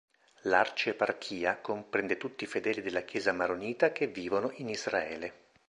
L'arcieparchia comprende tutti i fedeli della Chiesa maronita che vivono in Israele.